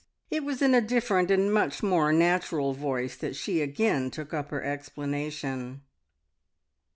It was in a different and much more natural voice that she again took up her explanation.